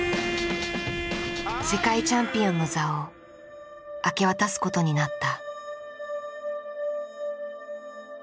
世界チャンピオンの座を明け渡すことになった。